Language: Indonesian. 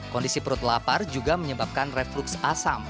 kondisi perut lapar juga menyebabkan reflux asam